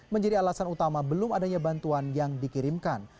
menjadi alasan utama belum adanya bantuan yang dikirimkan